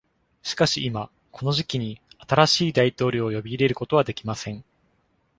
しかし今、この時期に、新しい大統領を呼び入れることはできません。